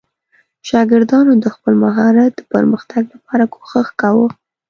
شاګردانو د خپل مهارت د پرمختګ لپاره کوښښ کاوه.